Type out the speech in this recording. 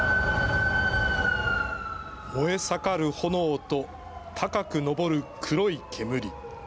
燃え盛る炎と高く上る黒い煙。